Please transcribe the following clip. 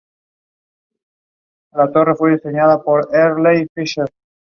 Su sobrina Marieta de Veintimilla, quedó en el Palacio De Carondelet.